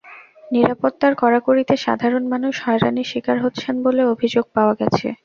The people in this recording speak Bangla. নিরাপত্তার কড়াকড়িতে সাধারণ মানুষ হয়রানির শিকার হচ্ছেন বলে অভিযোগ পাওয়া গেছে।